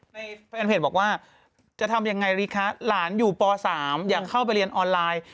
แฟนเพจบอกว่าจะทำยังไงดีคะหลานอยู่ป๓อยากเข้าไปเรียนออนไลน์